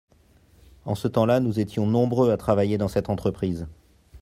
en ce temps-là nous étions nombreux à travailler dans cette entreprise.